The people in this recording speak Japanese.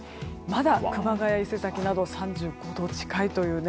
まだ熊谷、伊勢崎など３５度近いという。